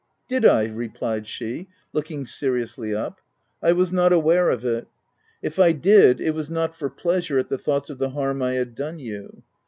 " Did I ?" replied she, looking seriously up, " I was not aware of it. If I did, it was not for pleasure at the thoughts of the harm I had done you.